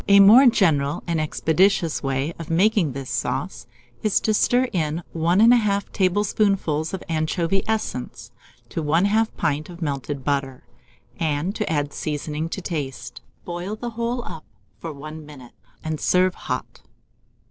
A more general and expeditious way of making this sauce is to stir in 1 1/2 tablespoonfuls of anchovy essence to 1/2 pint of melted butter, and to add seasoning to taste. Boil the whole up for 1 minute, and serve hot.